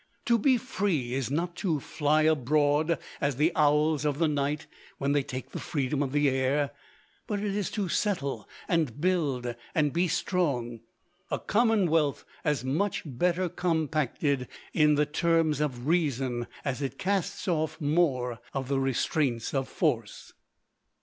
To be free is not to fly abroad as the owls of the night when they take the freedom of the air, but it is to settle and build and be strong a commonwealth as much better compacted in the terms of reason, as it casts off more of the restraints of force.